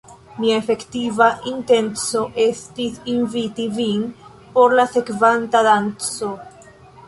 Mia efektiva intenco estis inviti vin por la sekvanta danco.